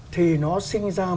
thì nó sinh ra một